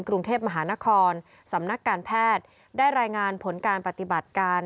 กรุงเทพมหานครสำนักการแพทย์ได้รายงานผลการปฏิบัติการ